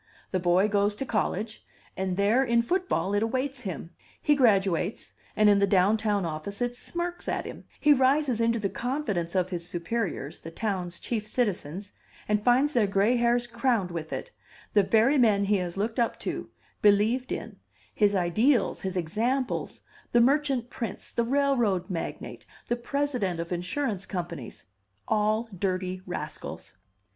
The boy goes to college, and there in football it awaits him; he graduates, and in the down town office it smirks at him; he rises into the confidence of his superiors, the town's chief citizens, and finds their gray hairs crowned with it, the very men he has looked up to, believed in, his ideals, his examples, the merchant prince, the railroad magnate, the president of insurance companies all dirty rascals!